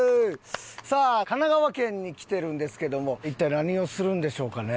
さあ神奈川県に来てるんですけども一体何をするんでしょうかね？